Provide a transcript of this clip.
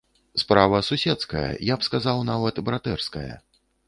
Справа суседская, я б сказаў, нават братэрская.